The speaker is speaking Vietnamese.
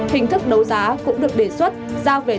hình thức đấu giá cũng được đề xuất